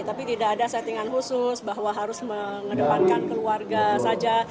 tapi tidak ada settingan khusus bahwa harus mengedepankan keluarga saja